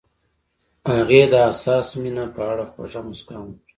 هغې د حساس مینه په اړه خوږه موسکا هم وکړه.